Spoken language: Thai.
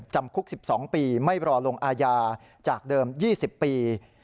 จำคุก๑๒ปีไม่รอลงอาญาจากเดิม๒๐ปี